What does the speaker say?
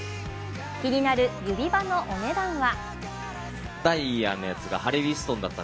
気になる指輪のお値段は？